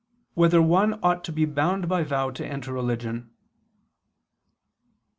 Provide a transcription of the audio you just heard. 2] Whether One Ought to Be Bound by Vow to Enter Religion?